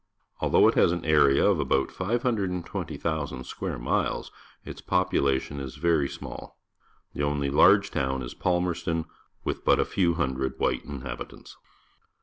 Al though it has an area of about 520,000 square miles, its population is verj' small. The only large town is Palmcxston, with but a few hundred white inhabitants.